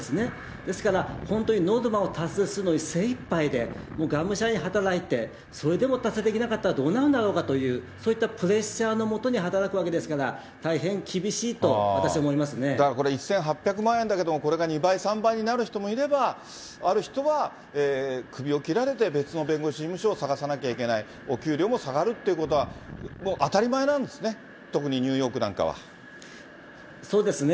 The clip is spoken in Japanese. ですから、本当にノルマを達成するのに精いっぱいでもうがむしゃらに働いて、それでも達成できなかったどうなるだろうかっていう、そういったプレッシャーの下に働くわけですから、大変厳しいと、だからこれ、１８００万円だけれども、これが２倍、３倍になる人もいれば、ある人はクビを切られて別の弁護士事務所を探さなきゃいけない、お給料も下がるっていうことは当たり前なんですね、特にニューヨそうですね。